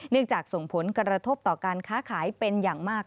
จากส่งผลกระทบต่อการค้าขายเป็นอย่างมาก